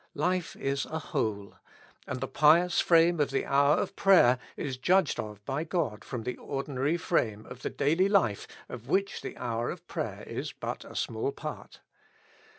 Life is a whole, and the pious frame of the hour of prayer is judged of by God from the ordinary frame of the daily life of which the hour of prayer is but a small part.